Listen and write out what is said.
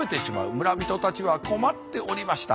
村人たちは困っておりました。